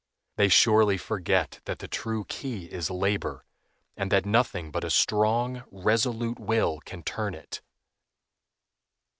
They surely forget that the true key is labor, and that nothing but a strong, resolute will can turn it.